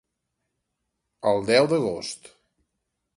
El deu d'agost.